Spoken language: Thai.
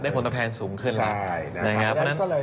ได้ผลตอบแทนสูงขึ้นแล้ว